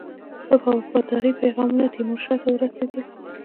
د وفاداری پیغامونه تیمورشاه ته ورسېدل.